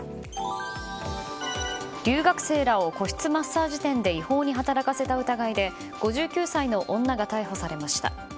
留学生らを個室マッサージ店で違法に働かせた疑いで５９歳の女が逮捕されました。